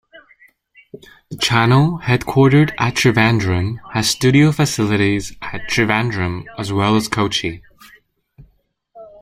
The channel, headquartered at Trivandrum, has studio facilities at Trivandrum as well as Kochi.